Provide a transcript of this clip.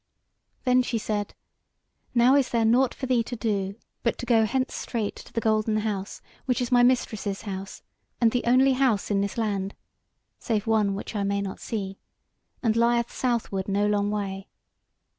Then she said: "Now is there nought for thee to do but to go hence straight to the Golden House, which is my Mistress's house, and the only house in this land (save one which I may not see), and lieth southward no long way.